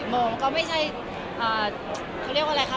โมงก็ไม่ใช่เขาเรียกว่าอะไรคะ